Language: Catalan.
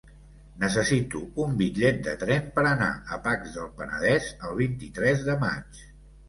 Necessito un bitllet de tren per anar a Pacs del Penedès el vint-i-tres de maig.